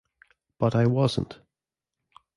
But I wasn't.